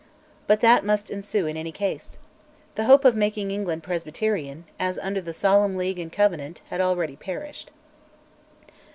But that must ensue in any case. The hope of making England presbyterian, as under the Solemn League and Covenant, had already perished.